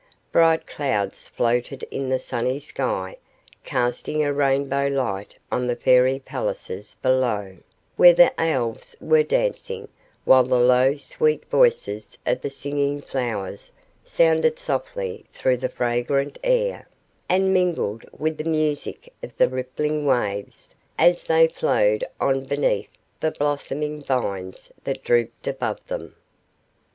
Bright clouds floated in the sunny sky, casting a rainbow light on the Fairy palaces below, where the Elves were dancing; while the low, sweet voices of the singing flowers sounded softly through the fragrant air, and mingled with the music of the rippling waves, as they flowed on beneath the blossoming vines that drooped above them.